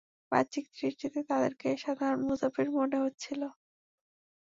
বাহ্যিক দৃষ্টিতে তাদেরকে সাধারণ মুসাফির মনে হচ্ছিল।